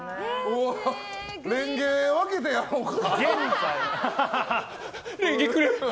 レンゲ、分けてやろうか？